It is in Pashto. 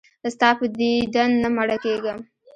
ستا په دیدن نه مړه کېږم.